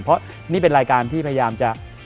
เพราะนี่เป็นรายการที่พยายามจะ